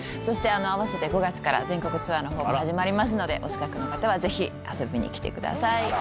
そして併せて５月から全国ツアーのほう始まりますのでお近くの方はぜひ遊びに来てください。